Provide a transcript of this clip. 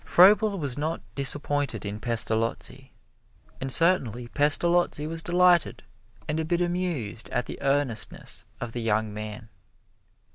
Froebel was not disappointed in Pestalozzi, and certainly Pestalozzi was delighted and a bit amused at the earnestness of the young man.